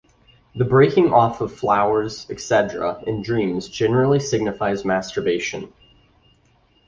The breaking off of flowers, etc., in dreams generally signifies masturbation